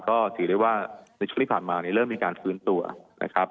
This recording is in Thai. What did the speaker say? ก็ถือได้ว่าในช่วงที่ผ่านมาเนี่ยเริ่มมีการฟื้นตัวนะครับ